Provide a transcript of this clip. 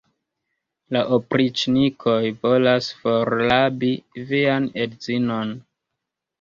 La opriĉnikoj volas forrabi vian edzinon!